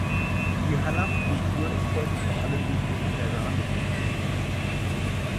Die Halaf-Kultur ist heute vor allem durch ihre Keramik gekennzeichnet.